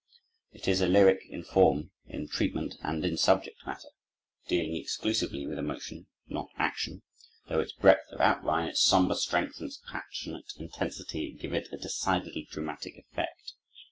It is a lyric in form, in treatment, and in subject matter, dealing exclusively with emotion, not action, though its breadth of outline, its somber strength, and its passionate intensity give it a decidedly dramatic effect.